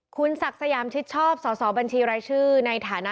คุณศักดิ์สยามชิดชอบสอสอบัญชีรายชื่อในฐานะ